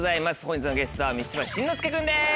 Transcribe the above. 本日のゲストは満島真之介君です！